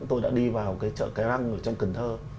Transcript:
tôi đã đi vào cái chợ cái răng ở trong cần thơ